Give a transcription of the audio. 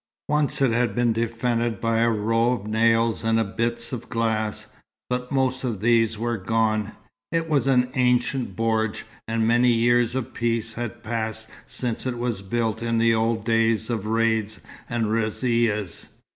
Once it had been defended by a row of nails and bits of glass, but most of these were gone. It was an ancient bordj, and many years of peace had passed since it was built in the old days of raids and razzias.